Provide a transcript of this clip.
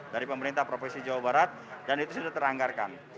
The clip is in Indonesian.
dari pemerintah provinsi jawa barat dan itu sudah teranggarkan